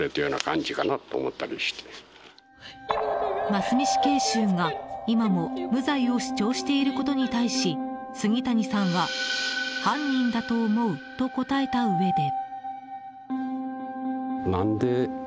真須美死刑囚が、今も無罪を主張していることに対し杉谷さんは犯人だと思うと答えたうえで。